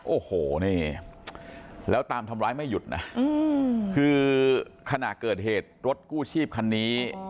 โอ้โหนี่แล้วตามทำร้ายไม่หยุดนะคือขณะเกิดเหตุรถกู้ชีพคันนี้